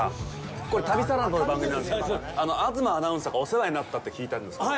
これ、旅サラダという番組なんですけど、東アナウンサーがお世話になったと聞いたんですけども。